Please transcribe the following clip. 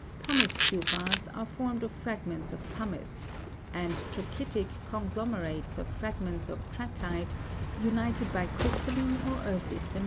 Pu mice tufas are formed of fragments of pumice, and trdchytic con glomerates of fragments of tra'chyte, unite'd by crystalline or earthy cement.